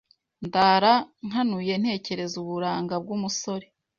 ndara nkanuye ntekereza uburanga bw’umusore